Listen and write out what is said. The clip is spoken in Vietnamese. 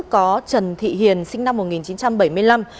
có trần thị hiền sinh năm một nghìn chín trăm bảy mươi năm